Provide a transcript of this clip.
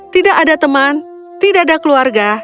tidak ada teman tidak ada keluarga